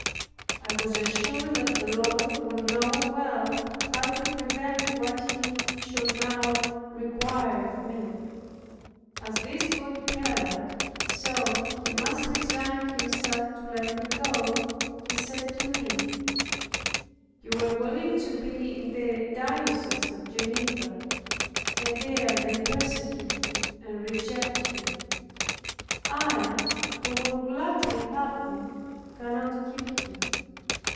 I was assured that the Lord would know well how to prevent what He should now require of me. As this good prelate saw he must resign himself to let me go, he said to me, "You were willing to be in the diocese of Geneva, and there they persecuted and rejected you; I, who would gladly have you, cannot keep you."